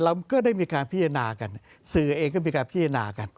เราก็ได้มีการพิจารณากันสื่อเองก็มีการพิจารณากัน